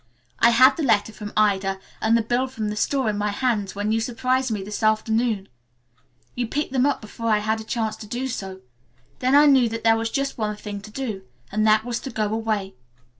I had the letter from Ida and the bill from the store in my hands when you surprised me this afternoon. You picked them up before I had a chance to do so. Then I knew that there was just one thing to do and that was to go away.